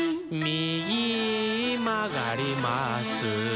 「みぎまがります」